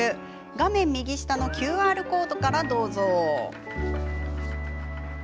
画面右下のＱＲコードからどうぞ。